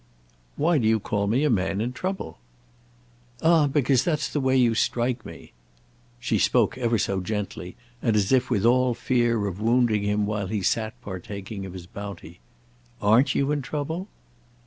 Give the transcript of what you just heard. "Why do you call me a man in trouble?" "Ah because that's the way you strike me." She spoke ever so gently and as if with all fear of wounding him while she sat partaking of his bounty. "Aren't you in trouble?"